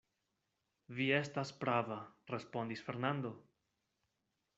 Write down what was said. Vi estas prava, respondis Fernando!